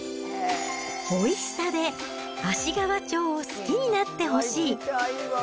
おいしさで芦川町を好きになってほしい。